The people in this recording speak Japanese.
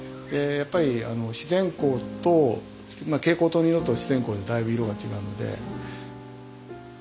やっぱり自然光とまあ蛍光灯の色と自然光とでだいぶ色が違うので。